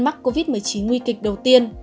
mắc covid một mươi chín nguy kịch đầu tiên